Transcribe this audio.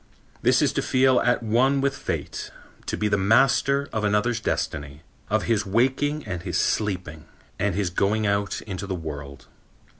This is to feel at one with Fate, to be the master of another's destiny, of his waking and his sleeping and his going out into the world.